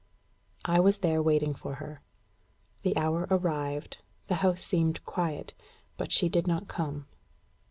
I was there waiting for her. The hour arrived; the house seemed quiet; but she did not come.